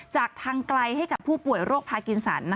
จากทางไกลให้กับผู้ป่วยโรคพากินสัน